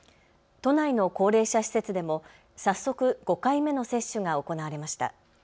都内の高齢者施設でも早速、５回目の接種が行われました。